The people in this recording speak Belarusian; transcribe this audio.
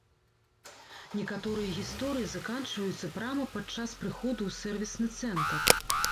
Некаторыя гісторыі заканчваюцца прама падчас прыходу ў сэрвісны цэнтр.